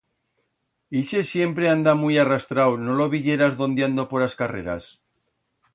Ixe siempre anda muit arrastrau, no lo viyerás dondiando por as carreras.